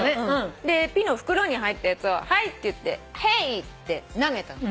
でピノ袋に入ったやつを「はい」っていって「ヘイ」って投げたの。